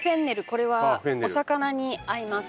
これはお魚に合います。